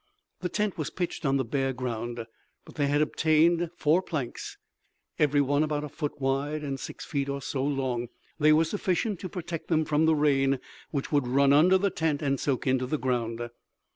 The tent was pitched on the bare ground, but they had obtained four planks, every one about a foot wide and six feet or so long. They were sufficient to protect them from the rain which would run under the tent and soak into the ground.